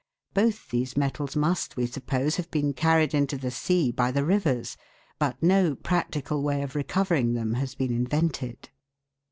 Both these metals must, we suppose, have been carried into the sea by the rivers, but no practical way of recovering them has been invented.